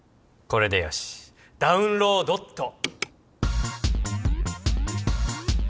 これでよしダウンロードっと！